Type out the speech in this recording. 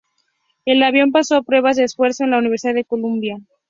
El avión pasó pruebas de esfuerzo en la Universidad de Columbia.